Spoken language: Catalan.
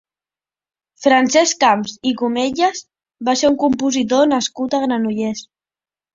Francesc Camps i Comellas va ser un compositor nascut a Granollers.